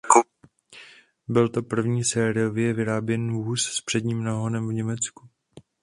Byl to první sériově vyráběný vůz s předním náhonem v Německu.